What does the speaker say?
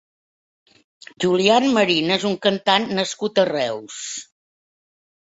Julián Marin és un cantant nascut a Reus.